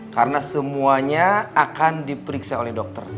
karena semuanya akan diperiksa oleh dokter